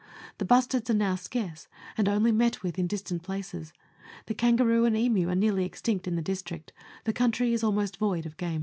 The bustards now are scarce, and only met with in distant places. The kangaroo and emu are nearly extinct in the district ; the country is almost void of game.